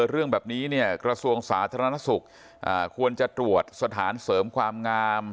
เรื่องแบบนี้เนี่ยกระทรวงสาธารณสุขควรจะตรวจสถานเสริมความงาม